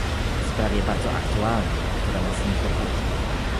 sprawie bardzo aktualnej, która nas niepokoi